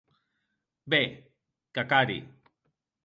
Ben, que cari.